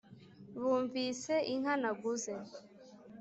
Bumvise inka naguze